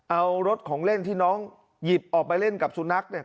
เอารถของเล่นที่น้องหยิบออกไปเล่นกับสุนัขเนี่ย